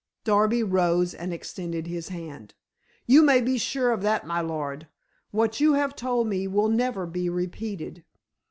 Darby rose and extended his hand. "You may be sure of that, my lord. What you have told me will never be repeated.